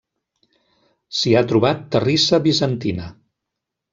S'hi ha trobat terrissa bizantina.